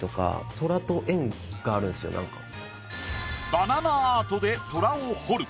バナナアートでトラを彫る。